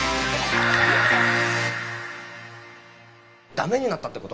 駄目になったって事？